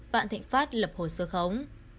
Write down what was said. vạn thịnh pháp lập hồ sơ khống